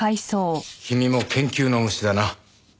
君も研究の虫だな。